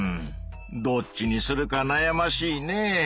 どっちにするかなやましいねぇ。